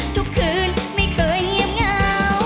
ทุกคืนไม่เคยเงียบเหงา